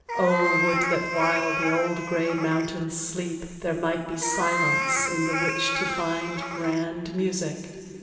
O would that while the old grey mountains sleep There might be silence in the which to find Grand music!